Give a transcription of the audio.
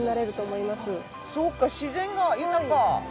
そうか自然が豊か。